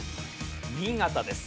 新潟です。